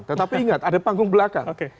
tetapi ingat ada panggung belakang